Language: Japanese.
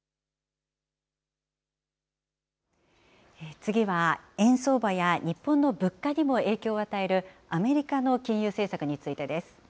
次は、円相場や日本の物価にも影響を与えるアメリカの金融政策についてです。